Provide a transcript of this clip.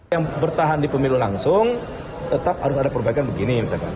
yang bertahan di pemilu langsung tetap harus ada perbaikan begini misalkan